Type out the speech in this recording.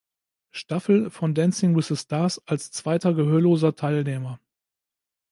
Staffel von "Dancing with the Stars" als zweiter gehörloser Teilnehmer.